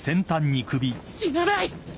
死なない！？